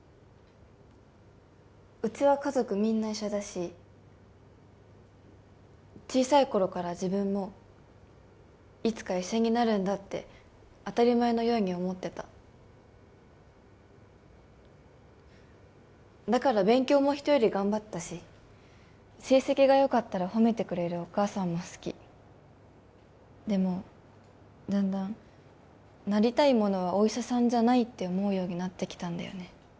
うちは家族みんな医者だし小さい頃から自分もいつか医者になるんだって当たり前のように思ってただから勉強も人より頑張ったし成績が良かったら褒めてくれるお母さんも好きでもだんだんなりたいものはお医者さんじゃないって思うようになってきたんだよね